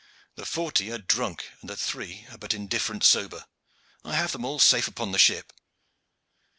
The forty are drunk, and the three are but indifferent sober. I have them all safe upon the ship."